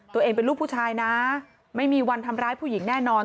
ตัวเองเป็นลูกผู้ชายนะไม่มีวันทำร้ายผู้หญิงแน่นอน